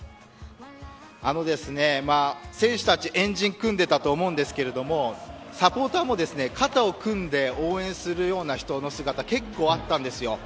選手たち、円陣組んでたと思うんですけれどもサポーターも肩を組んで応援するような人の姿結構、あったんですよ。